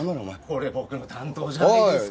これ僕の担当じゃないですか。